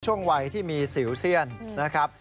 ช่วงวัยที่มีสิวเซียนนะครับ